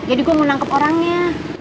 jadi gua mau nangkep orangnya